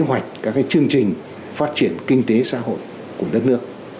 kế hoạch các chương trình phát triển kinh tế xã hội của đất nước